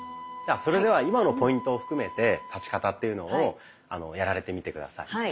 それでは今のポイントを含めて立ち方というのをやられてみて下さい。